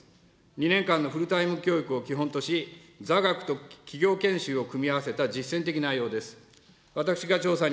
２年間のフルタイム教育を基本とし、座学と企業研修を組み合わせた実践的内容です。